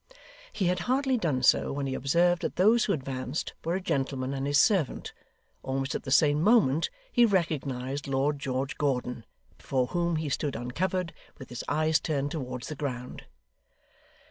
He had hardly done so, when he observed that those who advanced were a gentleman and his servant; almost at the same moment he recognised Lord George Gordon, before whom he stood uncovered, with his eyes turned towards the ground.